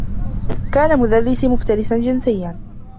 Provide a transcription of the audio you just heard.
كان مدرّسي مفترسا جنسيّا.